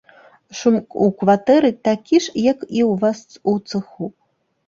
Шум у кватэры такі ж, як і ў вас у цэху.